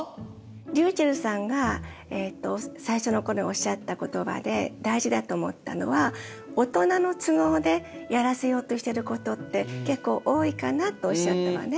りゅうちぇるさんが最初のころおっしゃった言葉で大事だと思ったのは「大人の都合でやらせようとしてることって結構多いかな」とおっしゃったのね。